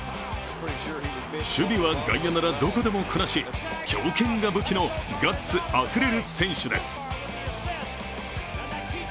守備は外野ならどこでもこなし強肩が武器のガッツあふれる選手です。